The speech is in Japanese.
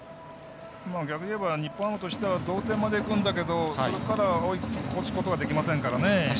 逆に言えば日本ハムとしては同点までいくんだけどそれから追い越すことはできませんからね。